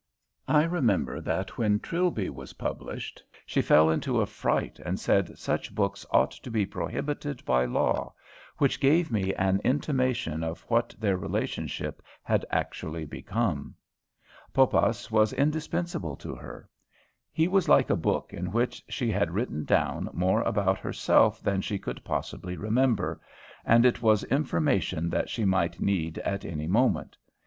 I remember that when "Trilby" was published she fell into a fright and said such books ought to be prohibited by law; which gave me an intimation of what their relationship had actually become. Poppas was indispensable to her. He was like a book in which she had written down more about herself than she could possibly remember and it was information that she might need at any moment.